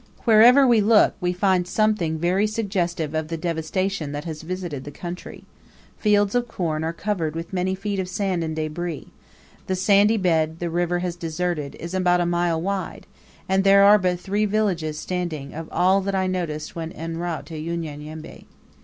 Wherever we look, we find something very suggestive of the devastation that has visited the country; fields of corn are covered with many feet of sand and debris; the sandy bed the river has deserted is about a mile wide; and there are but three villages standing of all that I noticed when en route to Unyanyembe.